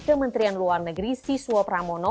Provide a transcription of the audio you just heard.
kementerian luar negeri siswa pramono